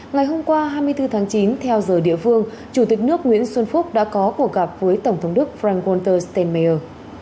ngày hôm qua hai mươi bốn tháng chín theo giờ địa phương chủ tịch nước nguyễn xuân phúc đã có cuộc gặp với tổng thống đức fran golt steinmeier